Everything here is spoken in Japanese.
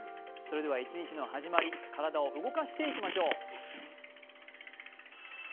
それでは一日の始まり、体を動かしていきましょう。